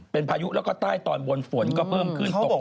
เป็นพายุแล้วก็ใต้ตอนบนฝนก็เพิ่มคืนตกต่อแห่ง